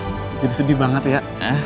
aduh jadi sedih banget ya